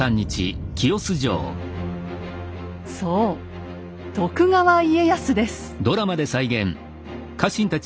そう徳川家康です。